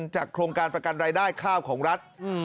โครงการประกันรายได้ข้าวของรัฐ